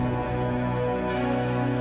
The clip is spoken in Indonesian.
aku mau pulang